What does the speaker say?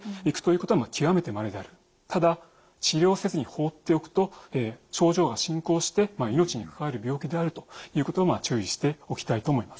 ただ治療せずに放っておくと症状が進行して命に関わる病気であるということを注意しておきたいと思います。